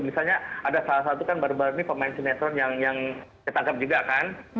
misalnya ada salah satu kan baru baru ini pemain sinetron yang ketangkep juga kan